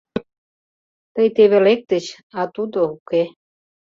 — Тый теве лектыч, а тудо — уке.